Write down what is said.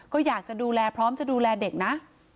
ก็อยากจะดูแลพร้อมจะดูแลเด็กนะ